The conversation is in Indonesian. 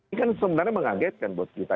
ini kan sebenarnya mengagetkan buat kita